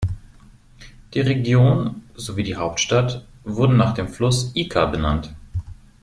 Die Region sowie die Hauptstadt wurden nach dem Fluss Ica benannt.